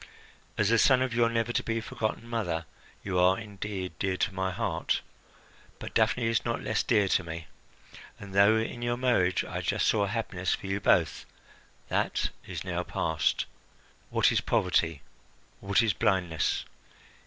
As the son of your never to be forgotten mother, you are indeed dear to my heart; but Daphne is not less dear to me, and though in your marriage I just saw happiness for you both, that is now past. What is poverty, what is blindness!